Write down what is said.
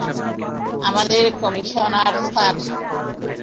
আমাদের commissioner sir?